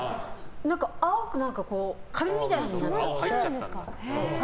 青く何かカビみたいになっちゃって。